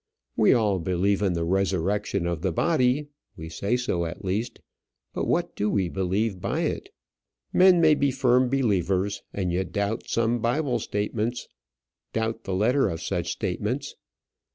We all believe in the resurrection of the body; we say so at least, but what do we believe by it? Men may be firm believers and yet doubt some Bible statements doubt the letter of such statements.